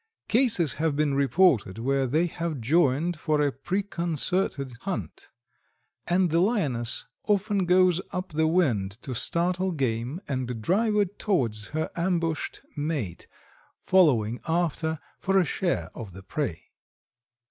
Cases have been reported where they have joined for a preconcerted hunt, and the Lioness often goes up the wind to startle game and drive it towards her ambushed mate, following after for a share of the prey.